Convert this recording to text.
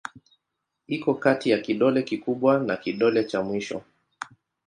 Iko kati ya kidole kikubwa na kidole cha mwisho.